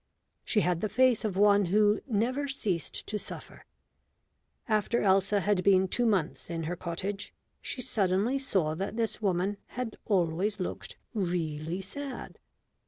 She had the face of one who never ceased to suffer. After Elsa had been two months in her cottage she suddenly saw that this woman had always looked really sad.